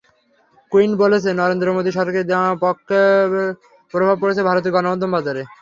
Quint বলছে, নরেন্দ্র মোদি সরকারের নেওয়া পদক্ষেপের প্রভাব পড়ছে ভারতের গণমাধ্যম বাজারে।